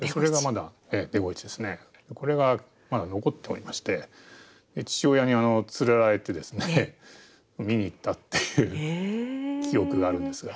これがまだ残っておりまして父親に連れられて見に行ったっていう記憶があるんですが。